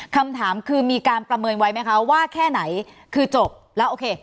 คำถามคือมีการประเมินไว้ไหมคะว่าแค่ไหนคือจบแล้วโอเค